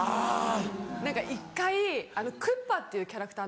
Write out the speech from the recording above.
何か１回クッパっていうキャラクター。